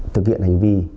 thực hiện hành vi